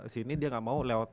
sini dia nggak mau lewat